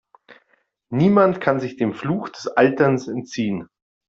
Niemand kann sich dem Fluch des Alterns entziehen.